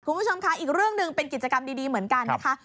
คุณผู้ชมค่ะอีกเรื่องหนึ่งเป็นกิจกรรมดีเหมือนกันนะคะ